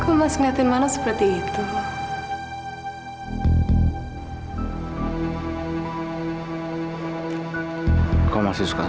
kita punya tempat berteduh sekarang